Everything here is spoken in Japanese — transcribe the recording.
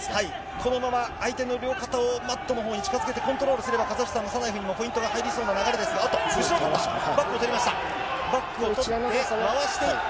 このまま相手の両肩をマットにほうに近づけてコントロールすれば、カザフスタンのサナエフにもポイントが、入りそうな流れですが、後ろを取った、バックを取りました。